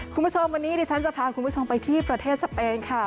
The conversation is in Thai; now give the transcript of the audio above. คุณผู้ชมวันนี้ดิฉันจะพาคุณผู้ชมไปที่ประเทศสเปนค่ะ